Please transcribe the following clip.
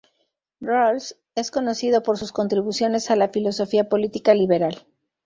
Rawls es conocido por sus contribuciones a la filosofía política liberal.